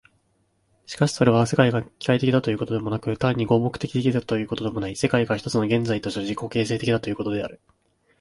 しかしそれは、世界が機械的だということでもなく、単に合目的的だということでもない、世界が一つの現在として自己形成的だということである。